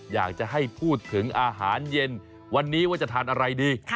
อยากจะให้พูดถึงอาหารเย็นวันนี้ว่าจะทานอะไรดี